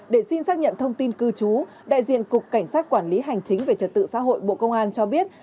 để xin xác nhận thông tin cư trú đại diện cục cảnh sát quản lý hành chính về trật tự xã hội bộ công an cho biết